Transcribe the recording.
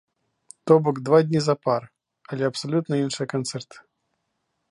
То бок два дні запар, але абсалютна іншыя канцэрты.